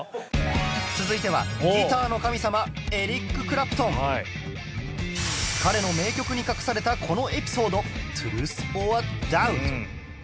続いてはギターの神様彼の名曲に隠されたこのエピソードトゥルース ｏｒ ダウト